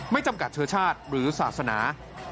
จำกัดเชื้อชาติหรือศาสนา